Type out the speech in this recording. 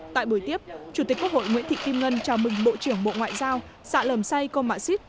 tại buổi tiếp chủ tịch quốc hội nguyễn thị kim ngân chào mừng bộ trưởng bộ ngoại giao xã lầm sai công mạng xít